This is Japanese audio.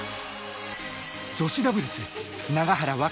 女子ダブルス永原和